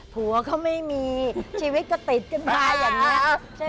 ผัวเขาไม่มีชีวิตก็ติดขึ้นมาอย่างนี้ใช่ไหม